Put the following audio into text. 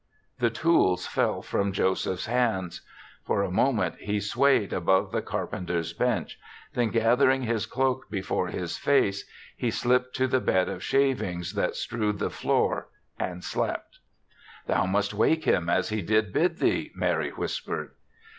The tools fell from Joseph's hands. For a moment he swayed above the carpenter's bench; then, gathering his cloak before his face, he slipped to the bed of shavings that strewed the floor and slept. "Thou must wake him as he did bid thee," Mary whispered.